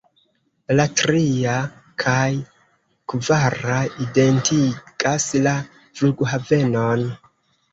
La tria kaj kvara identigas la flughavenon.